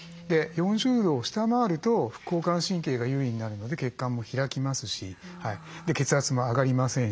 ４０度を下回ると副交感神経が優位になるので血管も開きますし血圧も上がりませんし。